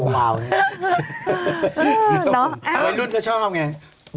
รุ่นก็ชอบไง